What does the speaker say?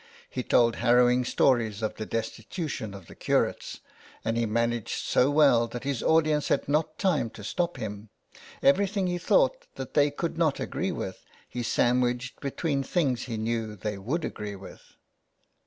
He told harrowing stories of the destitution of the curates, and he managed so well that his audience had not time to stop him. Everything he thought that they could not agree with he sandwiched between things that he knew they would agree with.